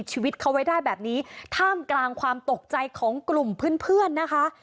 ชีวิตเขาไว้ได้แบบนี้ท่ามกลางความตกใจของกลุ่มเพื่อนเพื่อนนะคะ